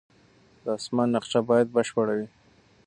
د اسمان نقشه باید بشپړه وي.